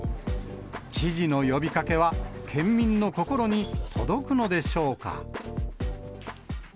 知事の呼びかけは、県民の心に届くのでしょうか。